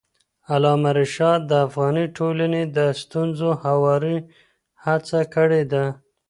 علامه رشاد د افغاني ټولنې د ستونزو هواري هڅه کړې ده.